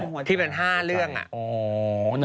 อ๋อคือเป็น๕เรื่องอ่ะ